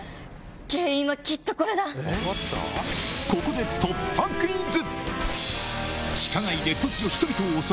ここで突破クイズ！